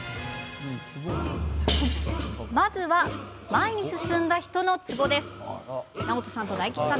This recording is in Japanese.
まずは前に進んだ人のツボです。